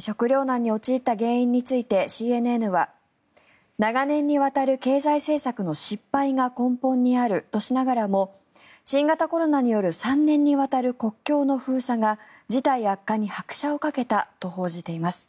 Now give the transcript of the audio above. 食糧難に陥った原因についてＣＮＮは長年にわたる経済政策の失敗が根本にあるとしながらも新型コロナによる３年にわたる国境の封鎖が事態悪化に拍車をかけたと報じています。